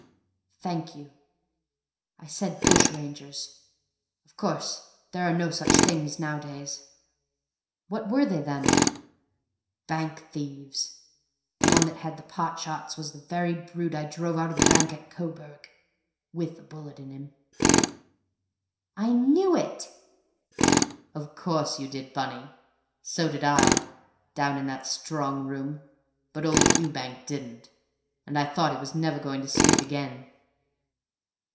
"'Thank you ... I said bushrangers; of course, there are no such things nowadays.' "'What were they, then?' "'Bank thieves; the one that had the pot shots was the very brute I drove out of the bank at Coburg, with a bullet in him!'" "I knew it!" "Of course you did, Bunny; so did I, down in that strong room; but old Ewbank didn't, and I thought he was never going to speak again.